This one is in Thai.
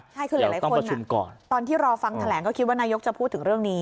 ใช่คือหลายคนตอนที่รอฟังแถลงก็คิดว่านายกจะพูดถึงเรื่องนี้